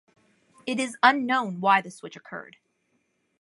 It is unknown why the switch occurred.